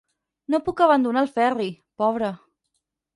No puc abandonar el Ferri, pobre.